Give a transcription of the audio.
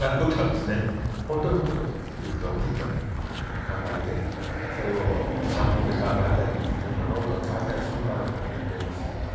本当のことということはきっと考えてそれを散歩のとき考えたり自分のノートに書いたりするんだろうと思っています。